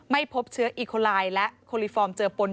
ไม่พบเชื้ออีโคลายและโคลิฟอร์มเจอปน